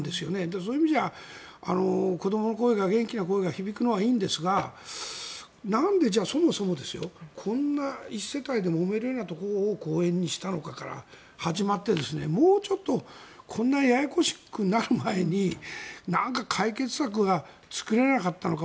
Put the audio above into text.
そういう意味では、子どもの声が元気な声が響くのはいいんですがなんで、そもそも、こんな１世帯でもめるようなところを公園にしたのかから始まってもうちょっとこんなややこしくなる前になんか、解決策が作れなかったのか。